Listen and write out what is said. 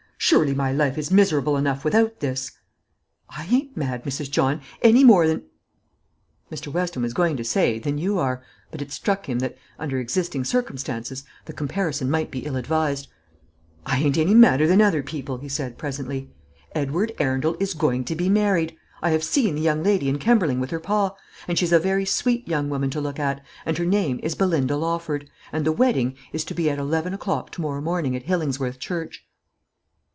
Surely my life is miserable enough without this!" "I ain't mad, Mrs. John, any more than" Mr. Weston was going to say, "than you are;" but it struck him that, under existing circumstances, the comparison might be ill advised "I ain't any madder than other people," he said, presently. "Edward Arundel is going to be married. I have seen the young lady in Kemberling with her pa; and she's a very sweet young woman to look at; and her name is Belinda Lawford; and the wedding is to be at eleven o'clock to morrow morning at Hillingsworth church."